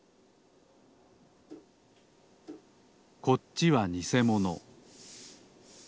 こっちはにせもの。